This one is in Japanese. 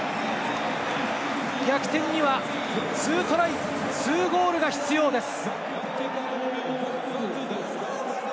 逆転には２トライ２ゴールが必要です。